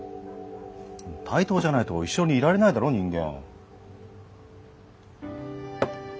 対等じゃないと一緒にいられないだろ人間。